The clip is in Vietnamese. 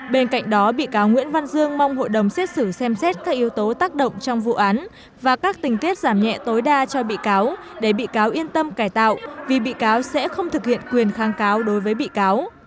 bên cạnh đó bị cáo nguyễn văn dương mong hội đồng xét xử xem xét các yếu tố tác động trong vụ án và các tình tiết giảm nhẹ tối đa cho bị cáo để bị cáo yên tâm cải tạo vì bị cáo sẽ không thực hiện quyền kháng cáo đối với bị cáo